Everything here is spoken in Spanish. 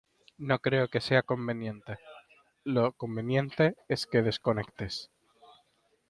no creo que sea conveniente. lo conveniente es que desconectes